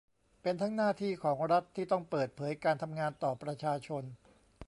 เป็นทั้งหน้าที่ของรัฐที่ต้องเปิดเผยการทำงานต่อประชาชน